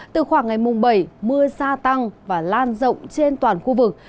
từ khoảng ngày mùng bảy mưa gia tăng và lan rộng trên toàn khu vực